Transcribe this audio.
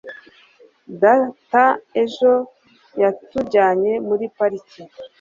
data ejo yatujyanye muri pariki